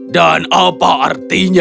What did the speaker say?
dan apa artinya